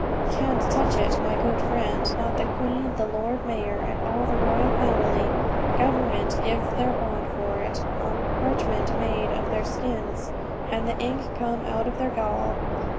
"Can't touch it, my good friend, not the Queen, the Lord Mayor, and all the royal family. Government give their bond for it, on parchment made of their skins, and the ink come out of their gall."